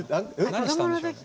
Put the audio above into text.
何したんでしょうね。